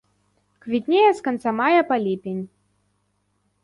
Квітнее з канца мая па ліпень.